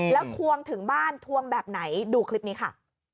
แล้วทวงถึงบ้านทวงแบบไหนดูคลิปนี้ค่ะ